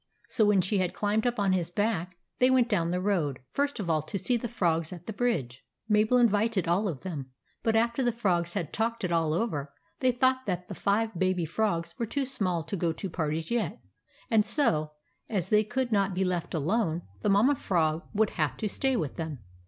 So when she had climbed up on his back, they went down the road, first of all to see the Frogs at the bridge. Mabel invited all of them ; but after the Frogs had talked it all over, they thought that the five baby frogs were too small to go to parties yet ; and so, as they could not be left alone, the Mamma Frog would have to stay with them.